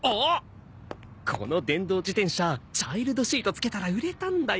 この電動自転車チャイルドシートつけたら売れたんだよ